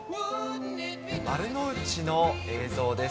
丸の内の映像です。